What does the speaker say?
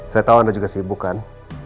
saya tahu anda juga sibuk kan